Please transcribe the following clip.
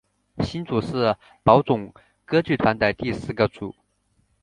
星组是宝冢歌剧团的第四个组。